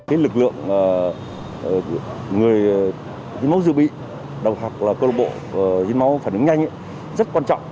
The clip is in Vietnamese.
hiến máu dự bị đồng hạc là cơ lộc bộ hiến máu phản ứng nhanh rất quan trọng